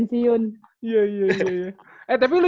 sri kandi aja udah pensiun